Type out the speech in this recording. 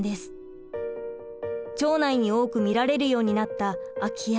町内に多く見られるようになった空き家。